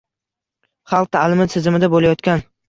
Xalq taʼlimi tizimida boʻlayotgan